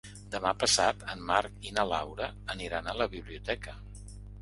Demà passat en Marc i na Laura aniran a la biblioteca.